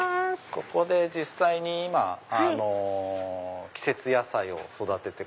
ここで実際に今季節野菜を育てて。